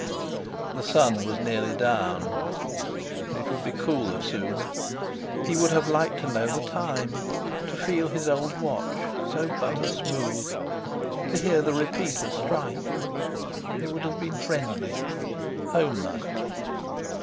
The sun was nearly down. It would be cooler soon. He would have liked to know the time—to feel his old watch, so butter smooth, to hear the repeater strike. It would have been friendly, home like.